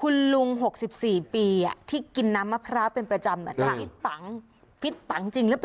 คุณลุง๖๔ปีที่กินน้ำมะพร้าวเป็นประจำจะฟิตปังฟิตปังจริงหรือเปล่า